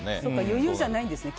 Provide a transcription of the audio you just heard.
余裕じゃないんですね。